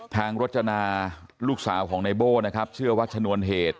ทางรวจชนาลูกสาวของไนโบ่นะครับเชื่อวัตชนวรเหตุ